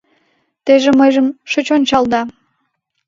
Тыйже мыйжым шыч ончал да